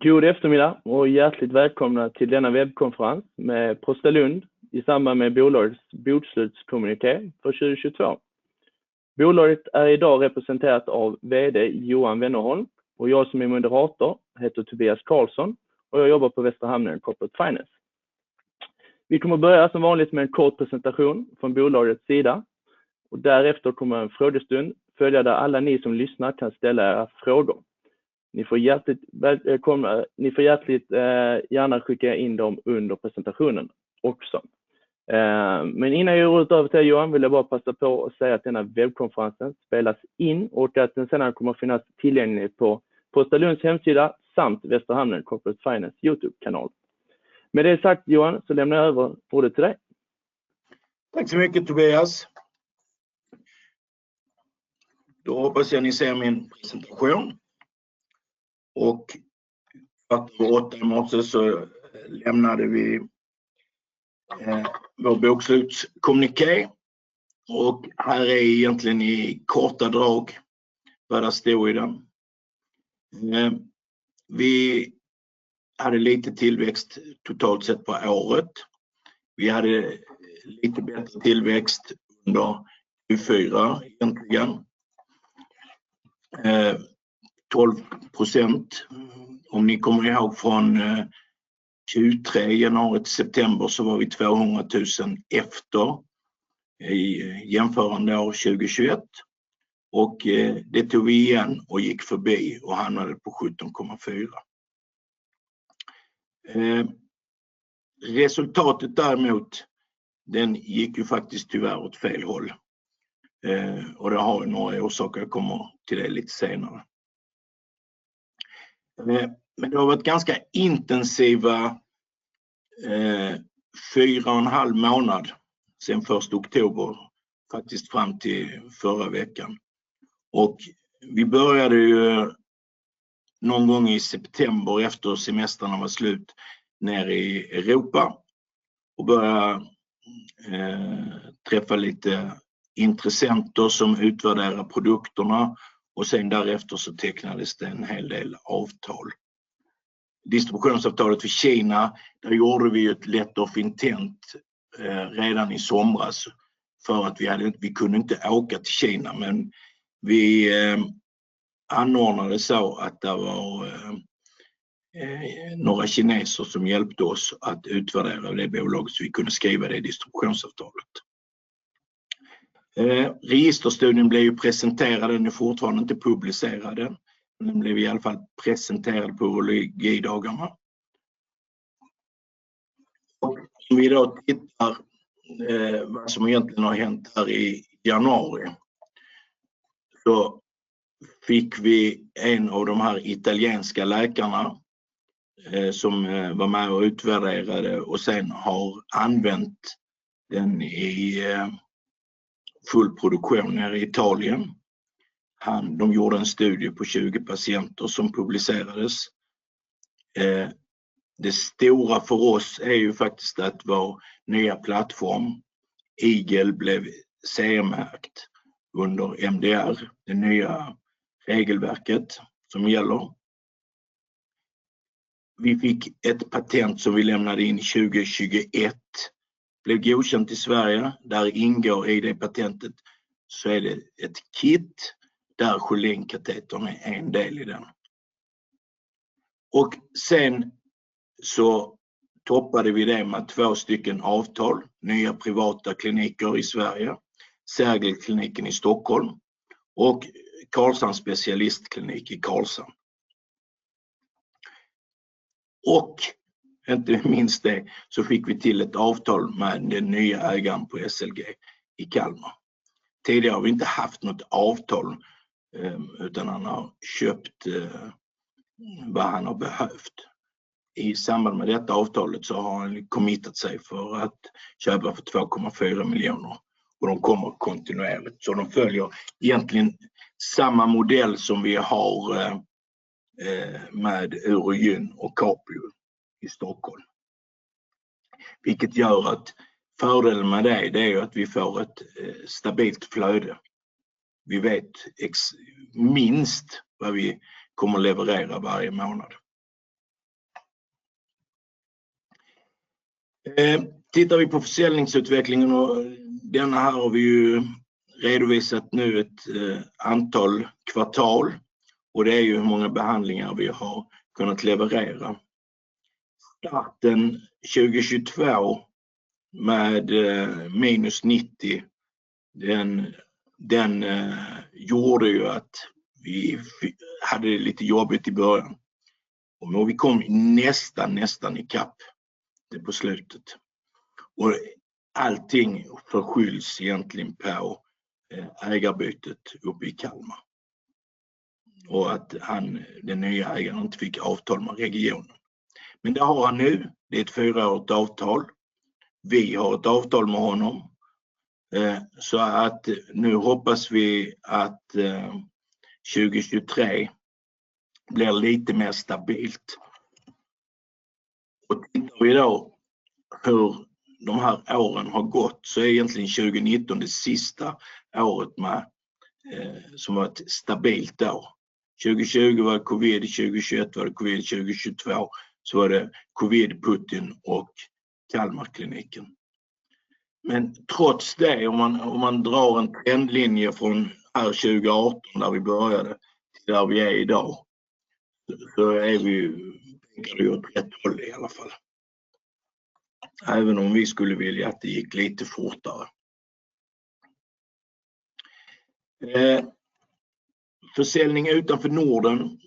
God eftermiddag och hjärtligt välkomna till denna webbkonferens med ProstaLund i samband med bolagets bokslutskommuniké för 2022. Bolaget är i dag representerat av VD Johan Wennerholm och jag som är moderator heter Tobias Karlsson och jag jobbar på Västra Hamnen Corporate Finance. Vi kommer att börja som vanligt med en kort presentation från bolagets sida och därefter kommer en frågestund följa där alla ni som lyssnar kan ställa era frågor. Ni får hjärtligt gärna skicka in dem under presentationen också. Innan jag går över till Johan vill jag bara passa på att säga att denna webbkonferensen spelas in och att den sedan kommer att finnas tillgänglig på ProstaLunds hemsida samt Västra Hamnen Corporate Finance YouTube-kanal. Med det sagt, Johan, lämnar jag över ordet till dig. Tack så mycket, Tobias. Hoppas jag ni ser min presentation. March 28 så lämnade vi vår bokslutskommuniké och här är egentligen i korta drag vad det står i den. Vi hade lite tillväxt totalt sett på året. Vi hade lite bättre tillväxt under Q4 egentligen. 12%. Om ni kommer ihåg från January 23 till September så var vi SEK 200,000 efter i jämförande år 2021. Det tog vi igen och gick förbi och hamnade på 17.4%. Resultatet däremot, den gick ju faktiskt tyvärr åt fel håll. Det har ju några orsaker, jag kommer till det lite senare. Det har varit ganska intensiva, 4.5 months sedan October 1, faktiskt fram till förra veckan. Vi började ju någon gång i september efter semestrarna var slut nere i Europa och börja träffa lite intressenter som utvärderar produkterna och sen därefter så tecknades det en hel del avtal. Distributionsavtalet för Kina, där gjorde vi ett letter of intent redan i somras för att vi kunde inte åka till Kina, men vi anordnade så att där var några kineser som hjälpte oss att utvärdera det bolaget så vi kunde skriva det distributionsavtalet. Registerstudien blev ju presenterad, den är fortfarande inte publicerad än. Den blev i alla fall presenterad på Urologidagarna. Om vi i dag tittar vad som egentligen har hänt där i januari. Då fick vi en av de här italienska läkarna som var med och utvärderade och sen har använt den i fullproduktion här i Italien. De gjorde en studie på 20 patienter som publicerades. Det stora för oss är ju faktiskt att vår nya plattform Eagle blev CE-märkt under MDR, det nya regelverket som gäller. Vi fick ett patent som vi lämnade in 2021. Blev godkänt i Sverige. Där ingår i det patentet så är det ett kit där Schelin-katetern är en del i den. Sen så toppade vi det med 2 stycken avtal, nya privata kliniker i Sverige, Sergelkliniken i Stockholm och Carlshamns Specialistklinik i Karlshamn. Inte minst det, så fick vi till ett avtal med den nya ägaren på SLG i Kalmar. Tidigare har vi inte haft något avtal, utan han har köpt vad han har behövt. I samband med detta avtalet så har han committat sig för att köpa för SEK 2.4 miljoner och de kommer kontinuerligt. De följer egentligen samma modell som vi har med Urogyn och Capio i Stockholm. Vilket gör att fördelen med det är att vi får ett stabilt flöde. Vi vet minst vad vi kommer leverera varje månad. Tittar vi på försäljningsutvecklingen och denna här har vi ju redovisat nu ett antal kvartal och det är ju hur många behandlingar vi har kunnat leverera. Starten 2022 med minus 90, den gjorde ju att vi hade det lite jobbigt i början. Vi kom nästan i kapp på slutet. Allting förskylls egentligen på ägarbytet uppe i Kalmar. Att han, den nya ägaren inte fick avtal med regionen. Det har han nu. Det är ett fyraårigt avtal. Vi har ett avtal med honom. Nu hoppas vi att 2023 blir lite mer stabilt. I dag hur de här åren har gått så är egentligen 2019 det sista året med, som var ett stabilt år. 2020 var det Covid, 2021 var det Covid, 2022 så var det Covid, Putin och Kalmarkliniken. Trots det, om man drar en trendlinje från 2018 när vi började till där vi är i dag, så är vi, tänker jag, åt rätt håll i alla fall. Även om vi skulle vilja att det gick lite fortare. Försäljning utanför Norden,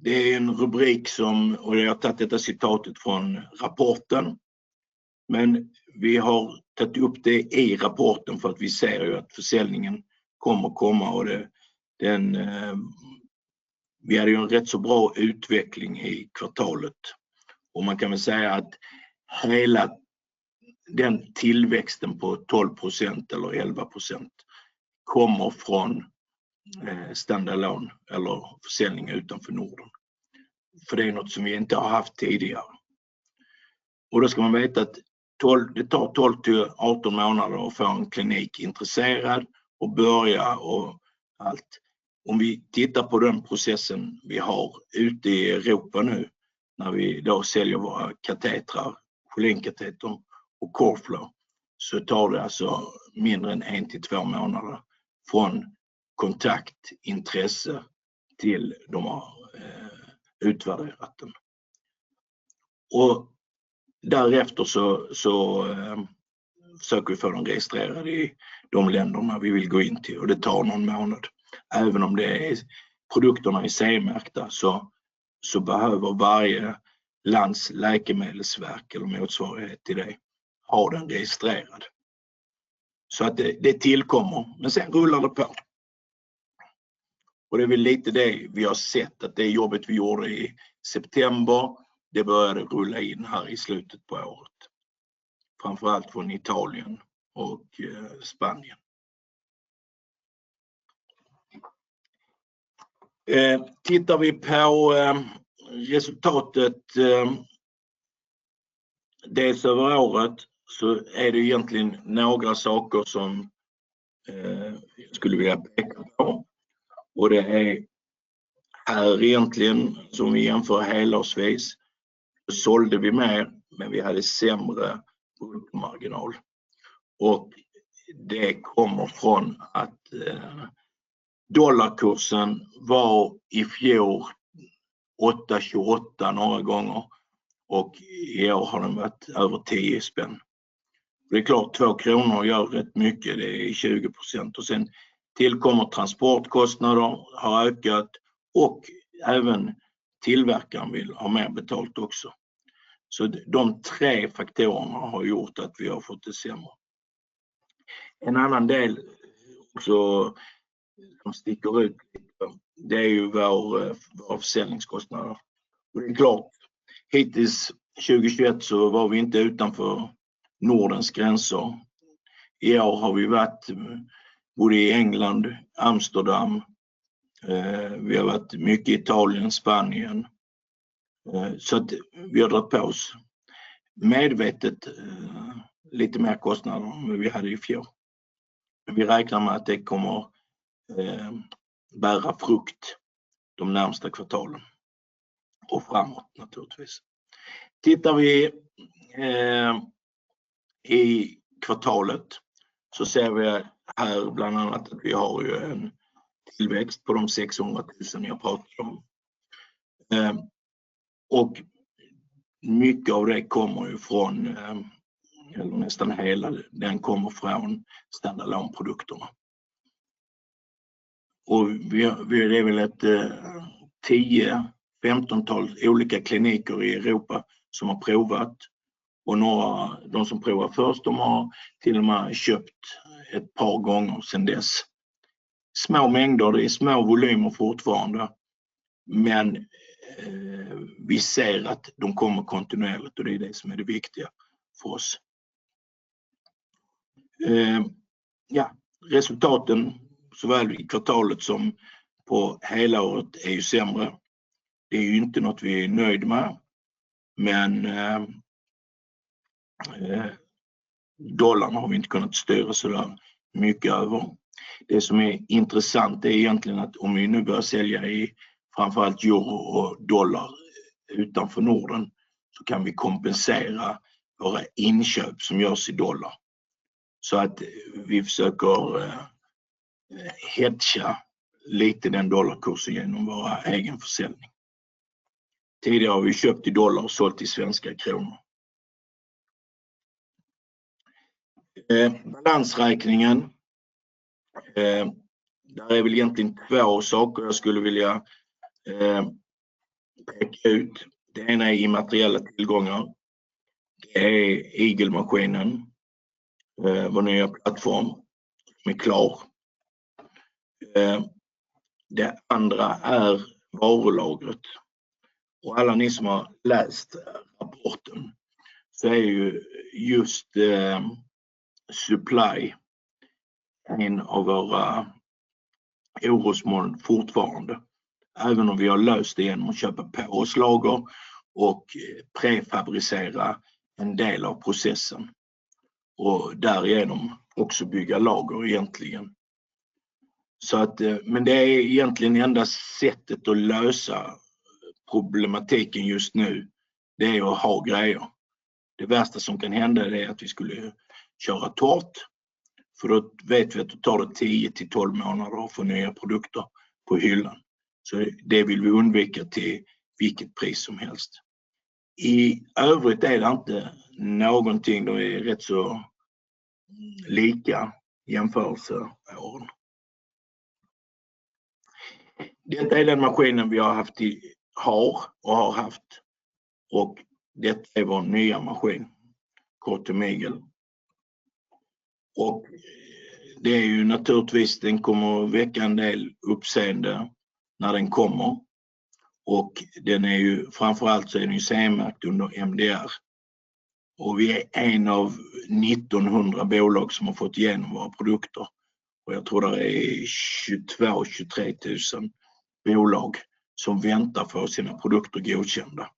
det är en rubrik som, och jag har tagit detta citatet från rapporten, men vi har tagit upp det i rapporten för att vi ser ju att försäljningen kommer komma och det... Vi hade ju en rätt så bra utveckling i kvartalet och man kan väl säga att hela den tillväxten på 12% eller 11% kommer från stand-alone eller försäljning utanför Norden. Det är något som vi inte har haft tidigare. Då ska man veta att 12, det tar 12 till 18 månader att få en klinik intresserad och börja och allt. Vi tittar på den processen vi har ute i Europa nu, när vi i dag säljer våra katetrar, Schelin-kateter och CoreFlow, så tar det alltså mindre än 1-2 månader från kontaktintresse till de har utvärderat den. Därefter söker vi för att få dem registrerade i de länderna vi vill gå in till och det tar någon månad. Även om produkterna är CE-märkta, behöver varje lands läkemedelsverk eller motsvarighet till det ha den registrerad. Det tillkommer, men sen rullar det på. Det är väl lite det vi har sett att det jobbet vi gjorde i september, det började rulla in här i slutet på året, framför allt från Italien och Spanien. Tittar vi på resultatet, dels över året, så är det egentligen några saker som jag skulle vilja peka på. Det är här egentligen som vi jämför helårsvis. Då sålde vi mer, men vi hade sämre bruttomarginal. Det kommer från att dollarkursen var i fjol SEK 8.28 några gånger och i år har den varit över SEK 10. Det är klart, SEK 2 gör rätt mycket, det är 20%. Sen tillkommer transportkostnader har ökat och även tillverkaren vill ha mer betalt också. Så de tre faktorerna har gjort att vi har fått det sämre. En annan del också som sticker ut, det är ju våra försäljningskostnader. Det är klart, hittills 2021 så var vi inte utanför Nordens gränser. I år har vi varit både i England, Amsterdam. Vi har varit mycket i Italien, Spanien. Vi har dragit på oss medvetet lite mer kostnader än vi hade i fjol. Vi räknar med att det kommer bära frukt de närmaste kvartalen och framåt naturligtvis. Tittar vi i kvartalet så ser vi här bland annat att vi har ju en tillväxt på de SEK 600,000 jag pratar om. Mycket av det kommer ju från, eller nästan hela den kommer från stand-alone-produkterna. Och vi, det är väl ett 10-15 olika kliniker i Europa som har provat och några, de som provar först, de har till och med köpt ett par gånger sedan dess. Små mängder, det är små volymer fortfarande, men vi ser att de kommer kontinuerligt och det är det som är det viktiga för oss. Ja, resultaten såväl i kvartalet som på hela året är ju sämre. Det är ju inte något vi är nöjd med, dollarn har vi inte kunnat styra sådär mycket över. Det som är intressant är egentligen att om vi nu börja sälja i framför allt EUR och dollar utanför Norden, kan vi kompensera våra inköp som görs i dollar. Vi försöker hedge lite den dollarkursen igenom vår egen försäljning. Tidigare har vi köpt i dollar och sålt i SEK. Balansräkningen, där är väl egentligen två saker jag skulle vilja peka ut. Det ena är immateriella tillgångar. Det är Eagle-maskinen, vår nya plattform som är klar. Det andra är varulagret. Alla ni som har läst rapporten är ju just supply en av våra orosmoln fortfarande, även om vi har löst det igenom att köpa på oss lager och prefabricera en del av processen och därigenom också bygga lager egentligen. Det är egentligen enda sättet att lösa problematiken just nu, det är att ha grejer. Det värsta som kan hända det är att vi skulle köra torrt för då vet vi att det tar 10-12 månader att få nya produkter på hyllan. Det vill vi undvika till vilket pris som helst. I övrigt är det inte någonting, de är rätt så lika jämförelseår. Detta är den maskinen vi har haft i, har och har haft och detta är vår nya maskin, CoreTherm Eagle. Det är ju naturligtvis, den kommer att väcka en del uppseende när den kommer. Den är ju, framför allt så är den ju CE-märkt under MDR. Vi är en av 1,900 bolag som har fått igenom våra produkter. Jag tror det är 22,000-23,000 bolag som väntar för att få sina produkter godkända.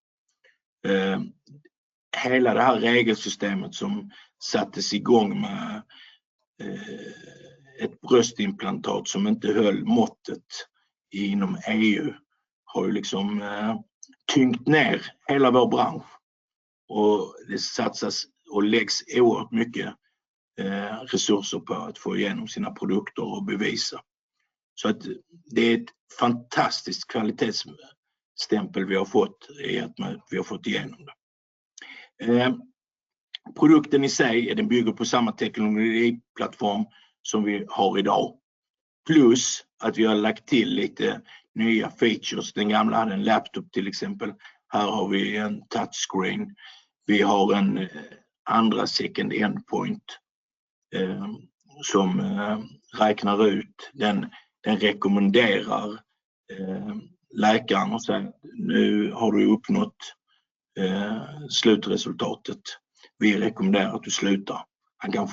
Hela det här regelsystemet som sattes i gång med ett bröstimplantat som inte höll måttet inom EU har ju liksom tyngt ner hela vår bransch. Det satsas och läggs oerhört mycket resurser på att få igenom sina produkter och bevisa. Det är ett fantastiskt kvalitetsstämpel vi har fått i att vi har fått igenom det. Produkten i sig, den bygger på samma technology platform som vi har i dag. Vi har lagt till lite nya features. Den gamla hade en laptop till exempel. Här har vi en touch screen. Vi har en andra secondary endpoint som räknar ut, den rekommenderar läkaren och säger att nu har du uppnått slutresultatet. Vi rekommenderar att du slutar. Han kan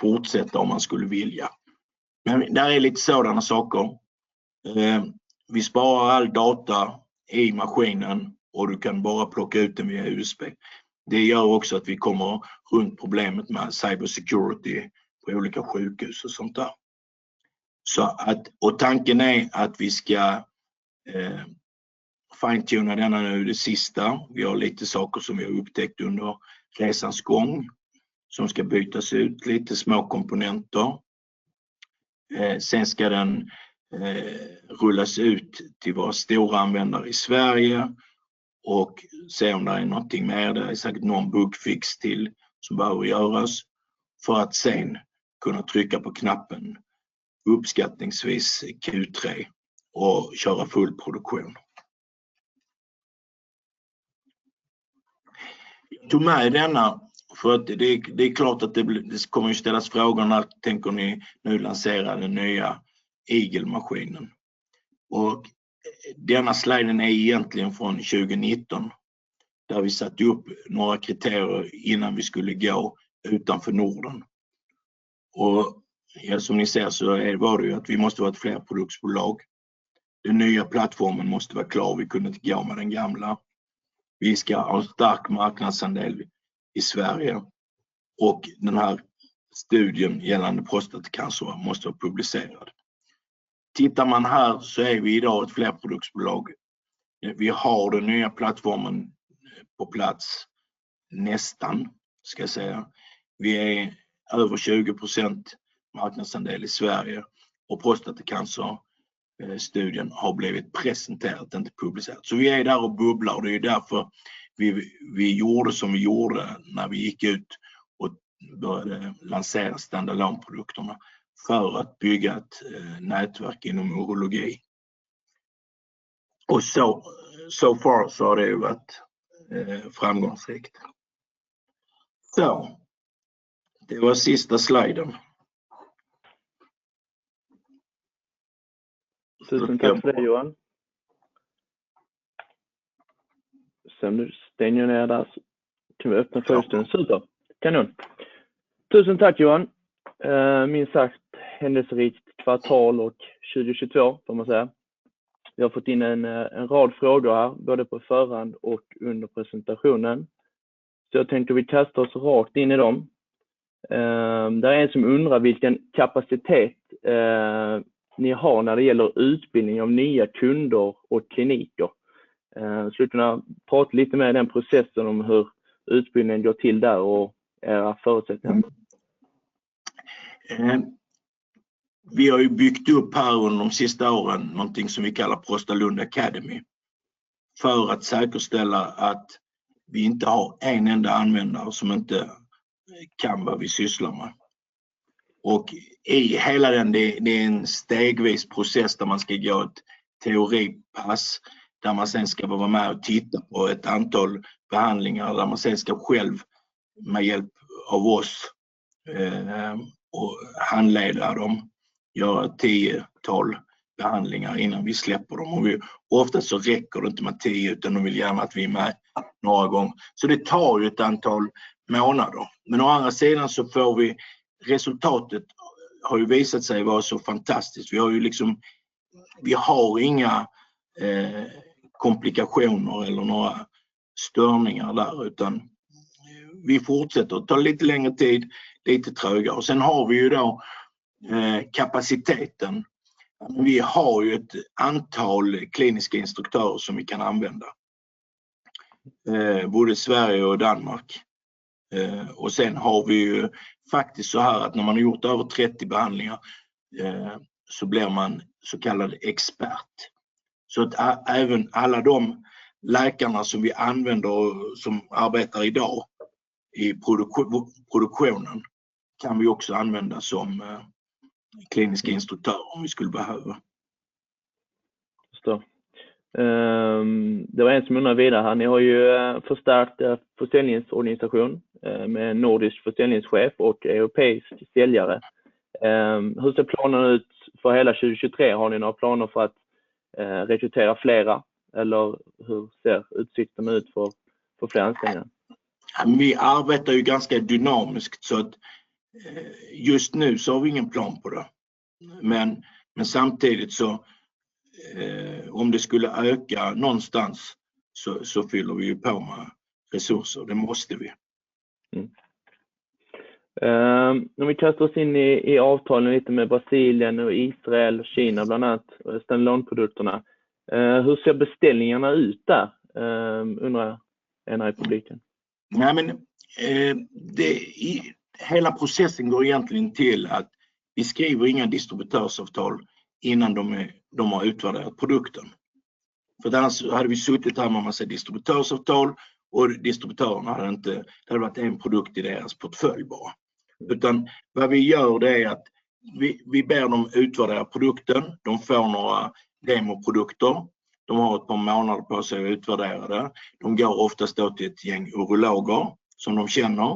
fortsätta om man skulle vilja. Där är lite sådana saker. Vi sparar all data i maskinen och du kan bara plocka ut den via USB. Det gör också att vi kommer runt problemet med cybersecurity på olika sjukhus och sånt där. Tanken är att vi ska fine-tune denna nu det sista. Vi har lite saker som vi har upptäckt under resans gång som ska bytas ut, lite små komponenter. Sen ska den rullas ut till våra stora användare i Sverige och se om där är någonting mer. Det är säkert någon bug fix till som behöver göras för att sen kunna trycka på knappen uppskattningsvis Q3 och köra full produktion. Jag tog med denna för att det är klart att det kommer att ställas frågor när, tänker ni nu lansera den nya Eagle-maskinen? Denna slide är egentligen från 2019, där vi satte upp några kriterier innan vi skulle gå utanför Norden. Som ni ser så var det ju att vi måste vara ett flerproduktsbolag. Den nya plattformen måste vara klar, vi kunde inte gå med den gamla. Vi ska ha en stark marknadsandel i Sverige och den här studien gällande prostatacancer måste vara publicerad. Tittar man här så är vi i dag ett flerproduktsbolag. Vi har den nya plattformen på plats, nästan ska jag säga. Vi är över 20% marknadsandel i Sverige och prostatacancerstudien har blivit presenterad, inte publicerad. Vi är där och bubblar. Det är därför vi gjorde som vi gjorde när vi gick ut och började lansera stand-alone-produkterna för att bygga ett nätverk inom urologi. So far så har det ju varit framgångsrikt. Det var sista slide. Tusen tack för det Johan. Stäng ner den där. Kan vi öppna frågestunden? Super, kanon. Tusen tack Johan. Minst sagt händelserikt kvartal och 2022 får man säga. Vi har fått in en rad frågor här, både på förhand och under presentationen. Jag tänkte vi kastar oss rakt in i dem. Det är en som undrar vilken kapacitet ni har när det gäller utbildning av nya kunder och kliniker. Skulle du kunna prata lite mer om den processen om hur utbildningen går till där och era förutsättningar? Vi har ju byggt upp här under de sista åren någonting som vi kallar ProstaLund Academy för att säkerställa att vi inte har en enda användare som inte kan vad vi sysslar med. I hela den, det är en stegvis process där man ska göra ett teoripass, där man sen ska vara med och titta på ett antal behandlingar, där man sen ska själv med hjälp av oss och handledare dem göra 10, 12 behandlingar innan vi släpper dem. Oftast så räcker det inte med 10, utan de vill gärna att vi mäter några gånger. Det tar ju ett antal månader. Å andra sidan så får vi resultatet har ju visat sig vara så fantastiskt. Vi har inga komplikationer eller några störningar där, utan vi fortsätter. Det tar lite längre tid, lite trögare. Vi har ju då kapaciteten. Vi har ju ett antal kliniska instruktörer som vi kan använda, både i Sverige och Danmark. Vi har ju faktiskt såhär att när man har gjort över 30 behandlingar, så blir man så kallad expert. Även alla de läkarna som vi använder och som arbetar i dag i produktionen kan vi också använda som kliniska instruktörer om vi skulle behöva. Just det. Det var en som undrade vidare här. Ni har ju förstärkt er försäljningsorganisation med en nordisk försäljningschef och europeisk säljare. Hur ser planen ut för hela 2023? Har ni några planer för att rekrytera flera? Eller hur ser utsikten ut för fler anställningar? Vi arbetar ju ganska dynamiskt så att just nu så har vi ingen plan på det. Samtidigt så, om det skulle öka någonstans så fyller vi ju på med resurser. Det måste vi. När vi kastar oss in i avtalen lite med Brasilien och Israel, Kina bland annat och stand-alone-produkterna. Hur ser beställningarna ut där? undrar en här i publiken. Nej men, hela processen går egentligen till att vi skriver inga distributörsavtal innan de har utvärderat produkten. Annars hade vi suttit här med en massa distributörsavtal och distributören hade inte. Det hade varit en produkt i deras portfölj bara. Utan vad vi gör det är att vi ber dem utvärdera produkten. De får några demoprodukter. De har ett par månader på sig att utvärdera det. De går oftast då till ett gäng urologer som de känner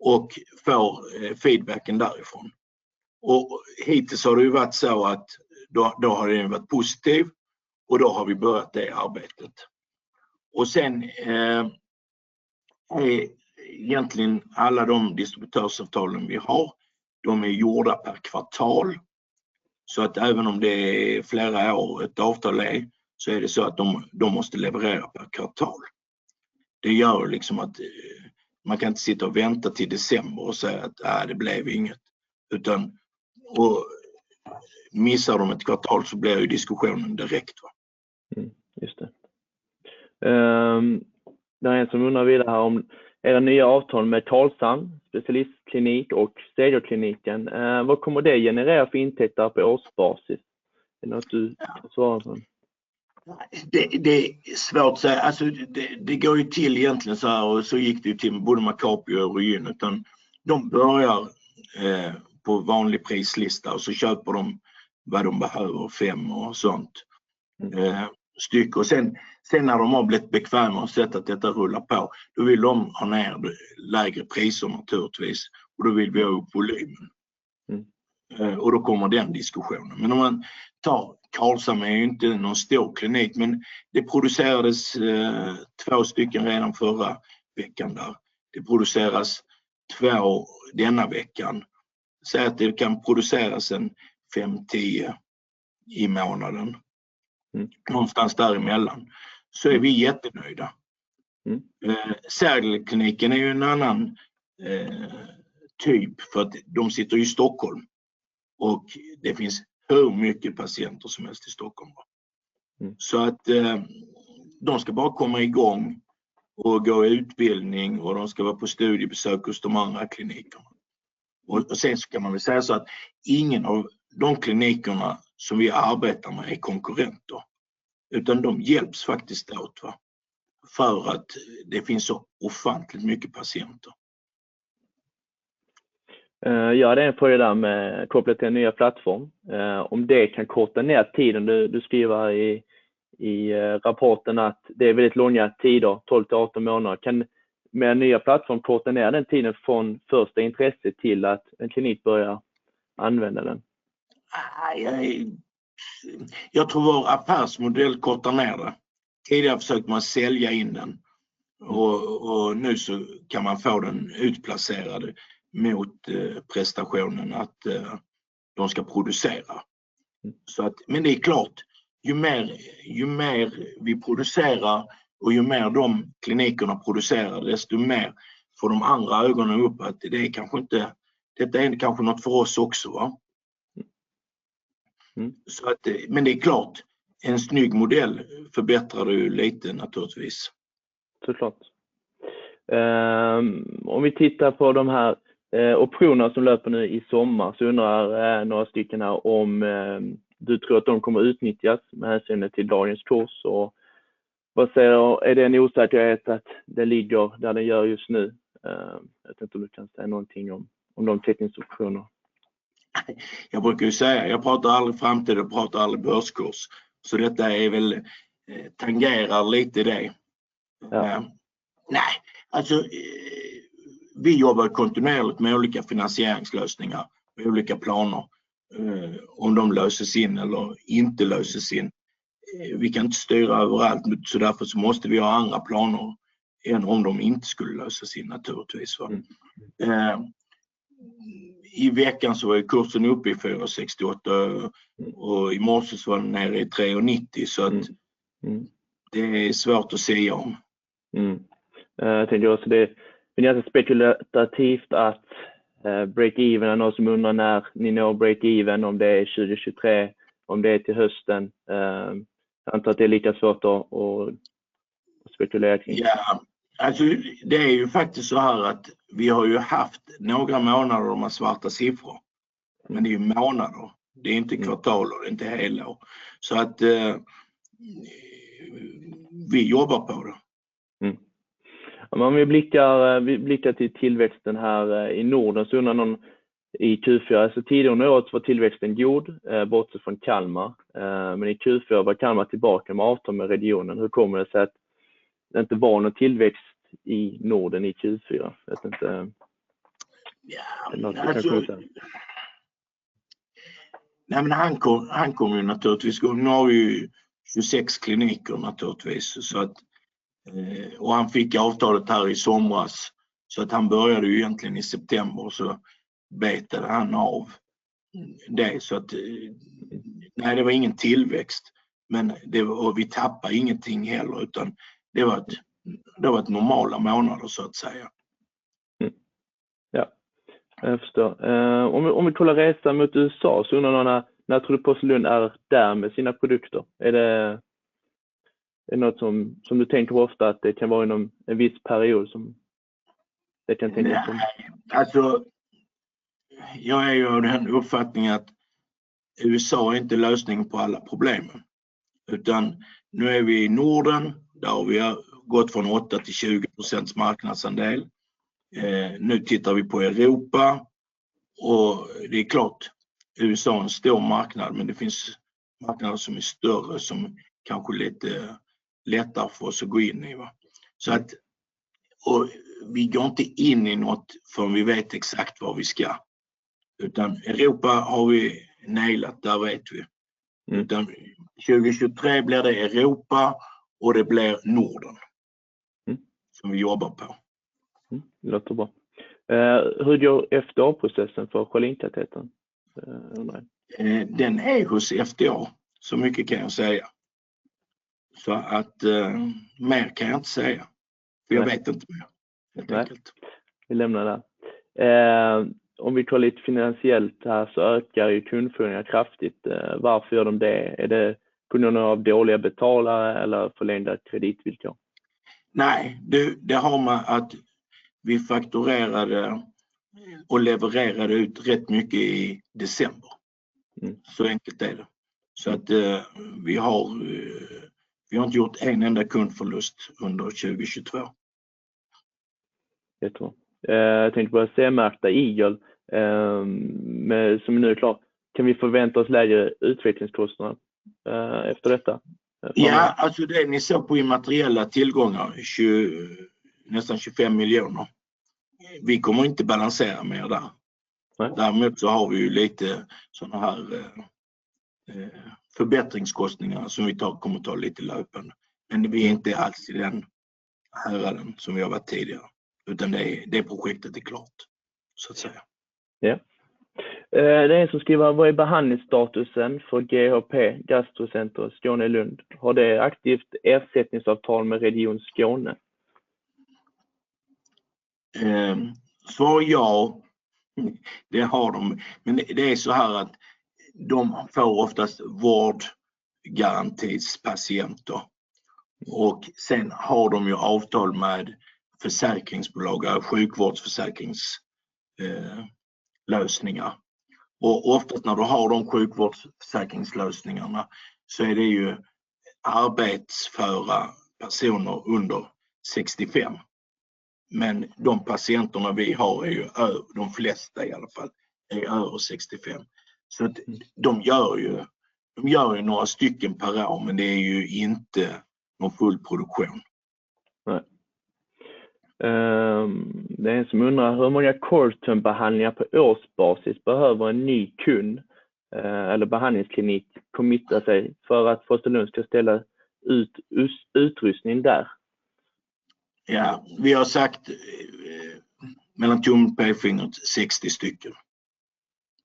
och får feedbacken därifrån. Hittills har det ju varit så att då har den varit positiv och då har vi börjat det arbetet. Sen är egentligen alla de distributörsavtalen vi har, de är gjorda per kvartal. Även om det är flera år ett avtal är, så är det så att de måste leverera per kvartal. Det gör liksom att man kan inte sitta och vänta till december och säga att: "Äh, det blev inget." Missar de 1 kvartal så blir ju diskussionen direkt va. Just det. Det är en som undrar vidare här om era nya avtal med Talsam specialistklinik och Sergelkliniken. Vad kommer det generera för intäkter på årsbasis? Eller att du svarar på den. Det är svårt att säga. Det går ju till egentligen så här och så gick det ju till både med Capio och Ryhn. De börjar på vanlig prislista och så köper de vad de behöver, five och sånt, styck. Sen när de har blivit bekväma och sett att detta rullar på, då vill de ha ner lägre priser naturligtvis och då vill vi ha upp volymen. Då kommer den diskussionen. Om man tar Talsam är ju inte någon stor klinik, men det producerades two stycken redan förra veckan där. Det produceras two denna veckan. Säg att det kan produceras en five, 10 i månaden. Någonstans däremellan. Är vi jättenöjda. Sergelkliniken är ju en annan typ för att de sitter i Stockholm och det finns hur mycket patienter som helst i Stockholm va. De ska bara komma i gång och gå i utbildning och de ska vara på studiebesök hos de andra klinikerna. Sen kan man väl säga så att ingen av de klinikerna som vi arbetar med är konkurrenter, utan de hjälps faktiskt åt va. Det finns så ofantligt mycket patienter. Ja, det är en följer där med kopplat till den nya plattform. Om det kan korta ner tiden. Du skriver i rapporten att det är väldigt långa tider, 12-18 månader. Kan med nya plattform korta ner den tiden från första intresse till att en klinik börjar använda den? Jag tror vår affärsmodell kortar ner det. Tidigare försökte man sälja in den och nu så kan man få den utplacerad mot prestationen att de ska producera. Det är klart, ju mer vi producerar och ju mer de klinikerna producerar, desto mer får de andra ögonen upp att det kanske inte, detta är kanske något för oss också va. Det är klart, en snygg modell förbättrar det ju lite naturligtvis. Så klart. Om vi tittar på de här optionerna som löper nu i sommar så undrar några stycken här om du tror att de kommer utnyttjas med hänsyn till dagens kurs. Vad säger du? Är det en osäkerhet att det ligger där det gör just nu? Jag vet inte om du kan säga någonting om de teckningsoptioner. Jag brukar ju säga, jag pratar aldrig framtid och pratar aldrig börskurs. Detta är väl, tangerar lite det. Vi jobbar kontinuerligt med olika finansieringslösningar på olika planer, om de löses in eller inte löses in. Vi kan inte styra överallt, därför måste vi ha andra planer än om de inte skulle lösas in naturligtvis va. I veckan var kursen uppe i SEK 468 och i morse var den nere i SEK 390. Att det är svårt att säga om. Mm. Det tänker jag också. Det är jättespekulativt att break even, det är någon som undrar när ni når break even, om det är 2023, om det är till hösten. Jag antar att det är lika svårt att spekulera kring. Ja, alltså, det är ju faktiskt såhär att vi har ju haft några månader de här svarta siffror, men det är månader. Det är inte kvartal och det är inte helår. Vi jobbar på det. Om vi blickar till tillväxten här i Norden så undrar någon i Q4. Tidigare under året så var tillväxten god, bortsett från Kalmar. Men i Q4 var Kalmar tillbaka med avtal med regionen. Hur kommer det sig att det inte var någon tillväxt i Norden i Q4? Jag vet inte. Alltså. Han kom ju naturligtvis. Nu har vi ju 26 kliniker naturligtvis. Han fick avtalet här i somras så att han började ju egentligen i september och så betade han av det. Nej, det var ingen tillväxt, men det, och vi tappar ingenting heller, utan det var normala månader så att säga. Ja, jag förstår. Om vi kollar resan mot USA så undrar någon när tror du Frost & Sullivan är där med sina produkter? Är det något som du tänker på ofta att det kan vara inom en viss period som det kan tänkas om? Jag är ju av den uppfattningen att USA är inte lösningen på alla problemen. Nu är vi i Norden. Där har vi gått från 8%-20% marknadsandel. Nu tittar vi på Europa och det är klart, USA är en stor marknad, men det finns marknader som är större som kanske är lite lättare för oss att gå in i va. Vi går inte in i något förrän vi vet exakt var vi ska. Europa har vi nailat, där vet vi. 2023 blir det Europa och det blir Norden som vi jobbar på. Mm. Det låter bra. Hur går FDA-processen för Schelin-katetern undrar jag? Den är hos FDA. Mycket kan jag säga. Mer kan jag inte säga, för jag vet inte mer helt enkelt. Vi lämnar det. Om vi kollar lite finansiellt här så ökar ju kundfordringar kraftigt. Varför gör de det? Är det på grund av dåliga betalare eller förlängda kreditvillkor? Nej, du, det har med att vi fakturerade och levererade ut rätt mycket i december. Enkelt är det. Vi har inte gjort en enda kundförlust under 2022. Jättebra. Jag tänkte på det CE-märkta Eagle som nu är klart. Kan vi förvänta oss lägre utvecklingskostnader efter detta? Det ni ser på immateriella tillgångar, SEK 20, nästan SEK 25 million. Vi kommer inte balansera mer där. Har vi lite sådana här förbättringskostnader som vi tar, kommer ta lite löpande. Vi är inte alls i den häraden som vi har varit tidigare, utan det projektet är klart så att säga. Ja. Det är en som skriver: Vad är behandlingsstatusen för GHP Gastro Center Skåne? Har det aktivt ersättningsavtal med Region Skåne? Svar ja, det har de. Det är såhär att de får oftast vårdgarantipatienter och sen har de ju avtal med försäkringsbolag, sjukvårdsförsäkringslösningar. Oftast när du har de sjukvårdsförsäkringslösningarna så är det ju arbetsföra personer under 65. De patienterna vi har är ju, de flesta i alla fall, är ju över 65. De gör ju några stycken per år, men det är ju inte någon full produktion. Nej. Det är en som undrar hur många CoreTherm-behandlingar på årsbasis behöver en ny kund eller behandlingsklinik committa sig för att Frost & Sullivan ska ställa ut utrustning där? Vi har sagt mellan tummen och pekfingret, 60 stycken.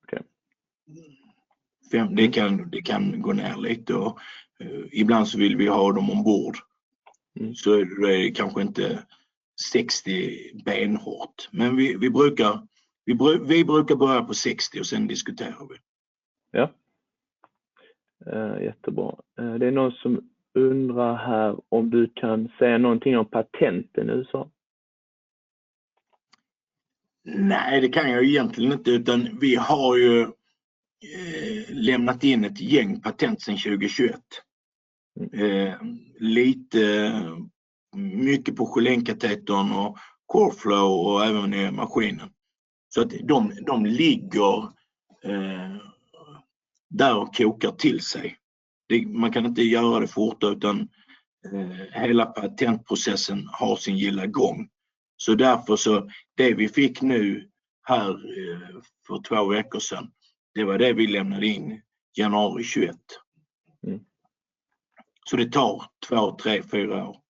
Okej. Det kan gå ner lite och ibland så vill vi ha dem ombord. Då är det kanske inte 60 benhårt. Vi brukar börja på 60 och sen diskuterar vi. Ja. Jättebra. Det är någon som undrar här om du kan säga någonting om patent i USA? Nej, det kan jag egentligen inte, utan vi har ju lämnat in ett gäng patent sen 2021. Lite, mycket på Schelin-katetern och CoreFlow och även i maskinen. De ligger och där kokar till sig. Man kan inte göra det fortare utan hela patentprocessen har sin gilla gång. Därför så det vi fick nu här för two weeks sedan, det var det vi lämnade in January 21. Det tar two, three, four years. Ja, jättebra.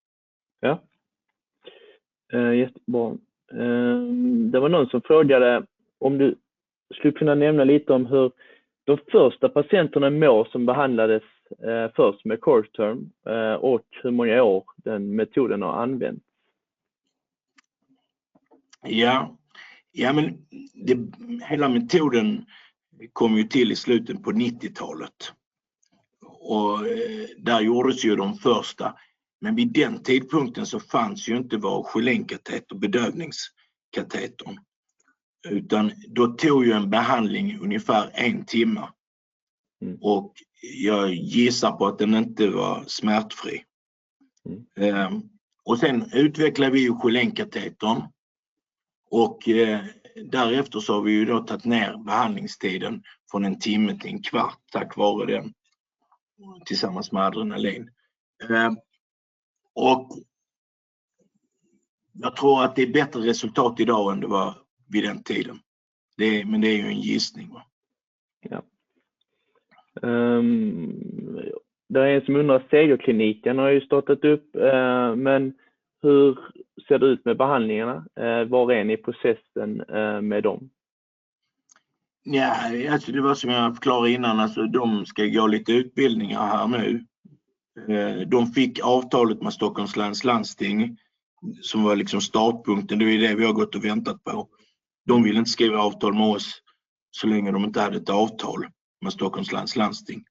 Det var någon som frågade om du skulle kunna nämna lite om hur de första patienterna mår som behandlades först med CoreTherm och hur många år den metoden har använts? Ja, men hela metoden kom ju till i slutet på 90-talet och där gjordes ju de första. Vid den tidpunkten så fanns ju inte vår Schelin-kateter, bedövningskatetern, utan då tog ju en behandling ungefär 1 hour. Jag gissar på att den inte var smärtfri. Sen utvecklade vi Schelin-katetern och därefter så har vi ju då tagit ner behandlingstiden från 1 hour till 15 minutes tack vare den tillsammans med adrenalin. Jag tror att det är bättre resultat i dag än det var vid den tiden. Men det är ju en gissning va. Ja. Det är en som undrar, Sergelkliniken har ju startat upp, men hur ser det ut med behandlingarna? Var är ni i processen med dem? Det var som jag förklarade innan. De ska gå lite utbildningar här nu. De fick avtalet med Stockholms läns landsting som var liksom startpunkten. Det är det vi har gått och väntat på. De ville inte skriva avtal med oss så länge de inte hade ett avtal med Stockholms läns landsting.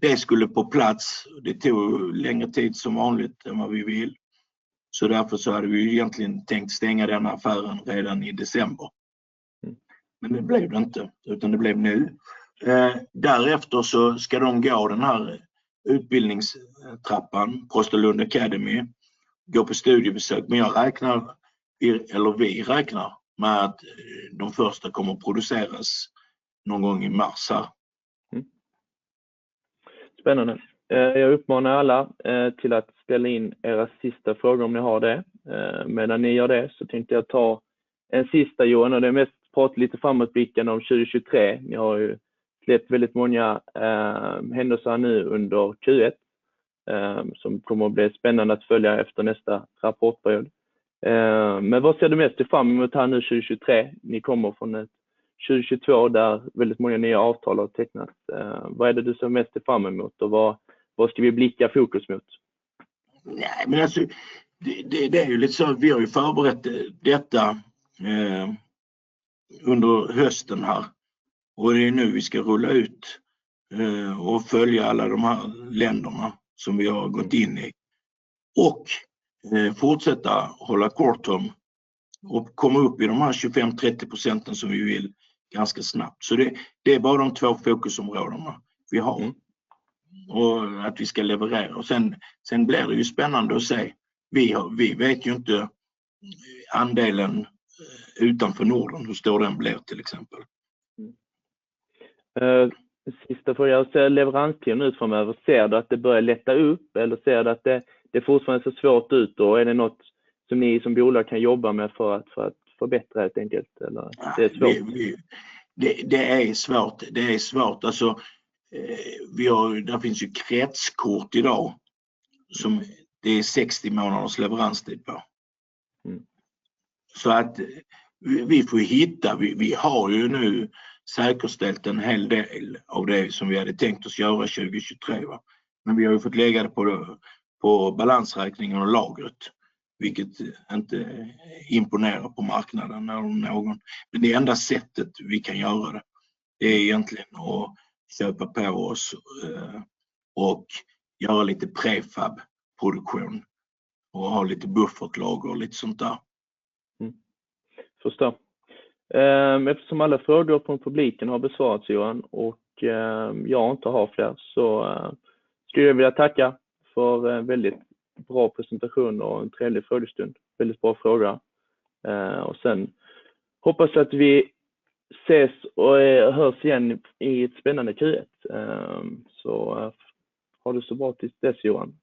Det skulle på plats. Det tog längre tid som vanligt än vad vi vill. Därför hade vi egentligen tänkt stänga den affären redan i december. Det blev det inte, utan det blev nu. Därefter ska de gå den här utbildningstrappan, ProstaLund Academy, gå på studiebesök. Jag räknar, eller vi räknar med att de första kommer produceras någon gång i mars här. Spännande. Jag uppmanar alla till att ställa in era sista frågor om ni har det. Medan ni gör det så tänkte jag ta en sista Johan och det är mest prata lite framåtblickande om 2023. Ni har ju släppt väldigt många händelser nu under Q1, som kommer bli spännande att följa efter nästa rapportperiod. Vad ser du mest fram emot här nu 2023? Ni kommer från ett 2022 där väldigt många nya avtal har tecknats. Vad är det du ser mest fram emot och var ska vi blicka fokus mot? Det är ju lite så. Vi har ju förberett detta under hösten här och det är nu vi ska rulla ut och följa alla de här länderna som vi har gått in i och fortsätta hålla CoreTherm och komma upp i de här 25-30% som vi vill ganska snabbt. Det är bara de två fokusområdena vi har och att vi ska leverera. Sen blir det ju spännande att se. Vi vet ju inte andelen utanför Norden, hur stor den blir till exempel. sista fråga. Leveranstiden ut från över ser du att det börjar lätta upp eller ser du att det är fortfarande så svårt ut? Är det något som ni som bolag kan jobba med för att förbättra helt enkelt? Det är svårt? Det är svårt. Där finns ju kretskort i dag som det är 60 månaders leveranstid på. Vi får hitta, vi har ju nu säkerställt en hel del av det som vi hade tänkt oss göra 2023 va. Vi har ju fått lägga det på balansräkningen och lagret, vilket inte imponerar på marknaden när någon. Det enda sättet vi kan göra det är egentligen att köpa på oss och göra lite prefab-produktion och ha lite buffertlager och lite sånt där. Förstår. Eftersom alla frågor från publiken har besvarats, Johan, och jag inte har fler, så skulle jag vilja tacka för väldigt bra presentation och en trevlig frågestund. Väldigt bra fråga. Sen hoppas jag att vi ses och hörs igen i ett spännande Q1. Ha det så bra tills dess, Johan.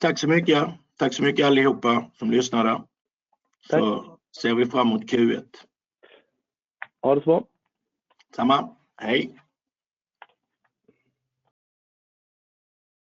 Tack så mycket. Tack så mycket allihopa som lyssnade. Ser vi fram emot Q1. Ha det så bra. Samma. Hej!